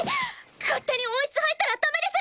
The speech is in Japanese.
勝手に温室入ったらダメです！